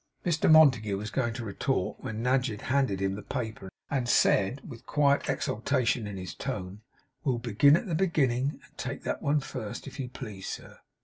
Mr Montague was going to retort, when Nadgett handed him the paper, and said, with quiet exultation in his tone, 'We'll begin at the beginning, and take that one first, if you please, sir.